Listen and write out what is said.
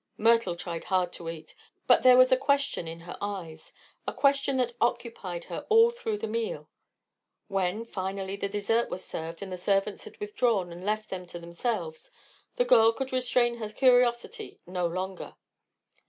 Myrtle tried hard to eat, but there was a question in her eyes a question that occupied her all through the meal. When, finally, the dessert was served and the servants had withdrawn and left them to themselves, the girl could restrain her curiosity no longer.